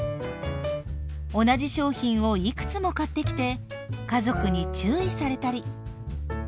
同じ商品をいくつも買ってきて家族に注意されたり。